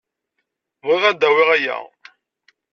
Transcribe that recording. Bɣiɣ ad d-awiɣ aya.